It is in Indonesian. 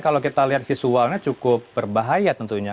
kalau kita lihat visualnya cukup berbahaya tentunya